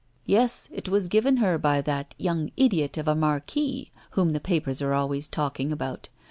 Yes, it was given her by that young idiot of a marquis, whom the papers are always talking about.